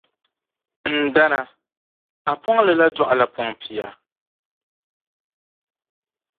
N dana, a pɔŋli la dɔɣila pɔŋ pia.